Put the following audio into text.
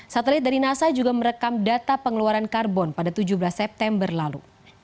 satelit dari nasa juga merekam data pengeluaran karbon pada tujuh belas september lalu